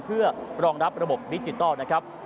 เพื่อรองรับระบบดิจิทัลนะครับ